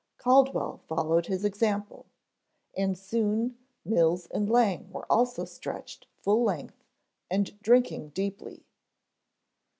Caldwell followed his example, and soon Mills and Lang were also stretched full length and drinking deeply.